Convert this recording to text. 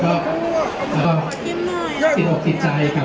เอาเลยค่ะเก็บเสร็จนะครับ